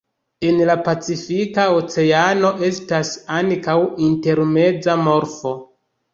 En la Pacifika Oceano estas ankaŭ intermeza morfo.